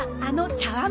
茶わん